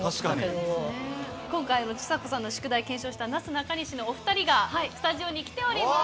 今回ちさ子さんの宿題を検証したなすなかにしのお２人がスタジオに来ております。